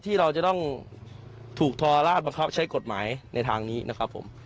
ที่เราจะต้องถูกทรราชบังคับใช้กฎหมายในทางนี้นะครับผม